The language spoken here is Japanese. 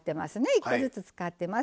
１コずつ使ってます。